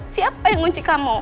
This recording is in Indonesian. siapa yang ngunci kamu